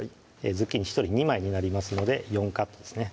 ズッキーニ１人２枚になりますので４カットですね